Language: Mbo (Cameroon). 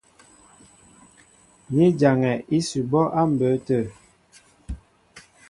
Ni jaŋɛ ísʉbɔ́ á mbə̌ tə̂.